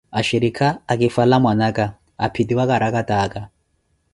Axhirikha aka, akifwela mwanaka, aphitiwa kwarakwattakwa.